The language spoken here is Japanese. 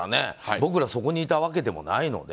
僕らそこにいたわけでもないので。